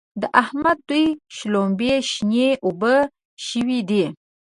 د احمد دوی شلومبې شنې اوبه شوې دي.